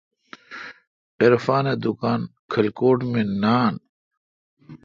عرفان دکان کھلکوٹ می نان۔